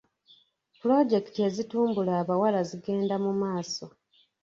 Pulojekiti ezitumbula abawala zigenda mu maaso.